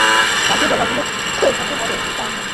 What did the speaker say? তাকে বলো এটা আম্মু।